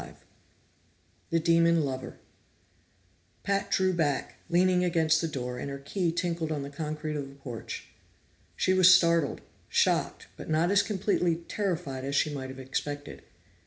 25 The Demon Lover Pat drew back, leaning against the door, and her key tinkled on the concrete of the porch. She was startled, shocked, but not as completely terrified as she might have expected.